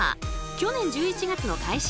去年１１月の開始以来